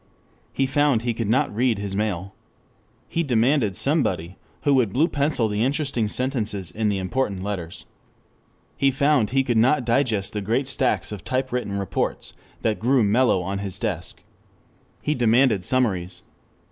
He found he could not read his mail. He demanded somebody who would blue pencil the interesting sentences in the important letters. He found he could not digest the great stacks of type written reports that grew mellow on his desk. He demanded summaries.